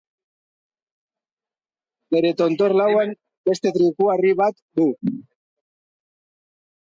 Bere tontor lauan beste trikuharri bat du.